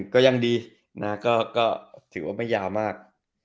ก็ยังดีนะก็ถือว่าไม่ยาวมาก